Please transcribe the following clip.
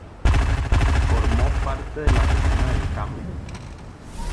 Formó parte de la Comuna del Campo.